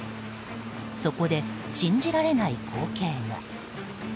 そこで、信じられない光景が。